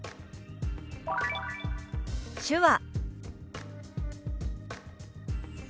「手話」。